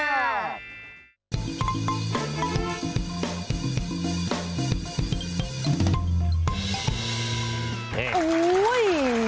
นี่อยากไปลองนัวอร่อยจริงดีมากโอ้โฮ